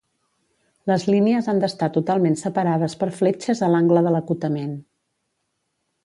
Les línies han d'estar totalment separades per fletxes a l'angle de l'acotament.